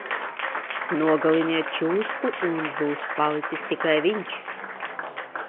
Nogaliniet čūsku un būs palicis tikai viņš!